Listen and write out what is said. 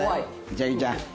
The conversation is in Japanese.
千瑛ちゃん。